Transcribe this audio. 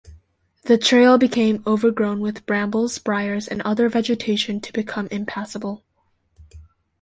The trail became overgrown with brambles, briars and other vegetation to become impassable.